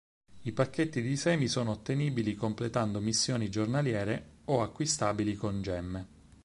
I pacchetti di semi sono ottenibili completando missioni giornaliere o acquistabili con gemme.